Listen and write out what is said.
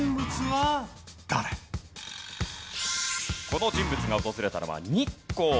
この人物が訪れたのは日光。